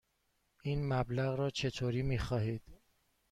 این مبلغ را چطوری می خواهید؟